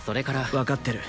分かってる